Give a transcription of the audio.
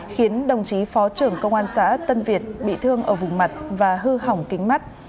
khiến đồng chí phó trưởng công an xã tân việt bị thương ở vùng mặt và hư hỏng kính mắt